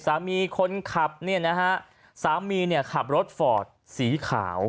คนขับเนี่ยนะฮะสามีเนี่ยขับรถฟอร์ดสีขาว